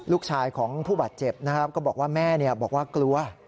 ลูกชายของผู้บาดเจ็บนะครับก็บอกว่าแม่บอกว่ากลัว